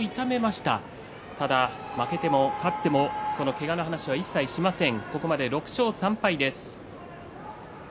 ただ負けても、勝ってもけがの話は一切しません。